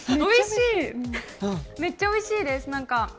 おいしい、めっちゃおいしいです。